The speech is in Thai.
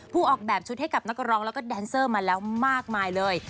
ออกแบบชุดให้กับนักร้องแล้วก็แดนเซอร์มาแล้วมากมายเลย